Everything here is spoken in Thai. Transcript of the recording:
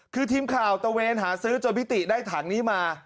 คือทีมข่าวตะเวนหาซื้อจนพิติได้ถังนี้มา